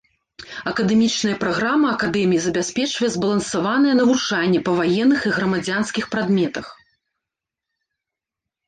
Акадэмічная праграма акадэміі забяспечвае збалансаванае навучанне па ваенных і грамадзянскіх прадметах.